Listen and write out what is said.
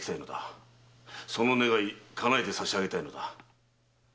その願い叶えてさしあげたいのだ。